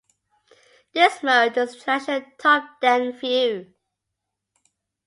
This mode is a traditional top-down view.